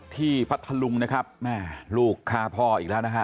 พัทธลุงนะครับแม่ลูกฆ่าพ่ออีกแล้วนะฮะ